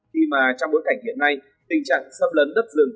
khi mà trong bối cảnh hiện nay tình trạng xâm lấn đất rừng